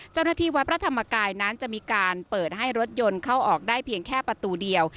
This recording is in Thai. เจ้าหน้าที่วัดพระธรรมกายนั้นจะมีการเปิดให้รถยนต์เข้าออกได้เพียงแค่ประตูเดียว